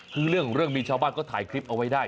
คือเรื่องของเรื่องมีชาวบ้านก็ถ่ายคลิปเอาไว้ได้